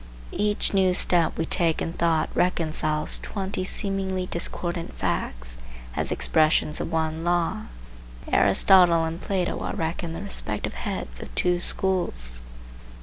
Each new step we take in thought reconciles twenty seemingly discordant facts, as expressions of one law. Aristotle and Plato are reckoned the respective heads of two schools.